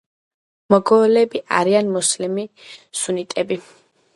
მოგოლები არიან მუსლიმანი სუნიტები.